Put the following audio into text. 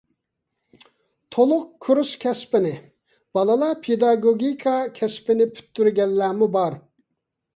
تولۇق كۇرس كەسپىنى، بالىلار پېداگوگىكا كەسپىنى پۈتكۈزگەنلەرمۇ بار.